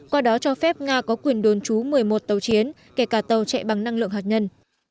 qua đó cho phép nga có quyền đồn trú một mươi một tàu chiến kể cả tàu chạy bằng năng lượng hạt nhân